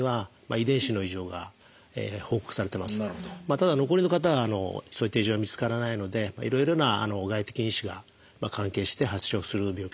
ただ残りの方はそういった異常は見つからないのでいろいろな外的因子が関係して発症する病気だっていうふうにいわれてます。